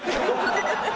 ハハハハ！